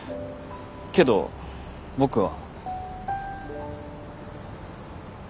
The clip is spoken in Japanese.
けど僕は。